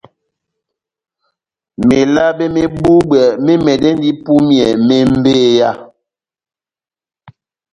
Melabe mé búbwɛ mémɛdɛndi ipúmiyɛ mebeya.